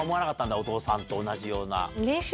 お父さんと同じような。